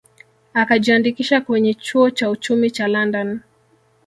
Akajiandikisha kwenye chuo cha uchumi cha London